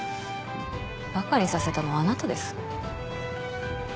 バカにさせたのはあなたです。